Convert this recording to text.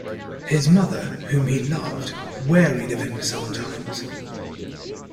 His mother, whom he loved, wearied of him sometimes.